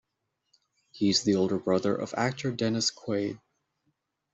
He is the older brother of actor Dennis Quaid.